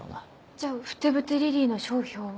じゃあ「ふてぶてリリイ」の商標は。